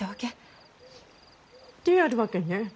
であるわけね。